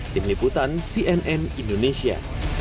tim liputan cnn indonesia